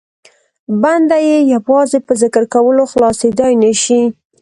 بنده یې یوازې په ذکر کولو خلاصېدای نه شي.